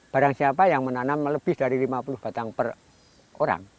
barang siapa yang menanam lebih dari lima puluh batang per orang